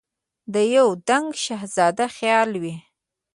د یو دنګ شهزاده خیال وي